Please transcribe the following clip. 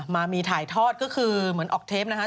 มามีถ่ายทอดก็คือเหมือนออกเทปนะคะ